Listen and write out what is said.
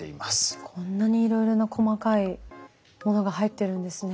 こんなにいろいろな細かいものが入ってるんですね。